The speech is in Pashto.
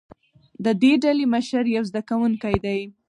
د دې ډلې مشر یو زده کوونکی دی.